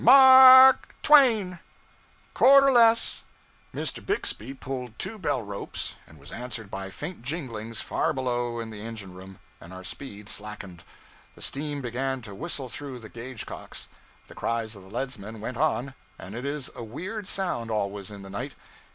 M a r k twain!... Quarter less ' Mr. Bixby pulled two bell ropes, and was answered by faint jinglings far below in the engine room, and our speed slackened. The steam began to whistle through the gauge cocks. The cries of the leadsmen went on and it is a weird sound, always, in the night.